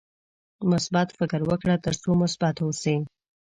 مثبت فکر وکړه ترڅو مثبت اوسې.